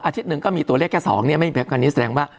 อาทิตย์หนึ่งก็มีตัวเลขแค่สองไม่มีแผนการณ์นี้แสดงว่า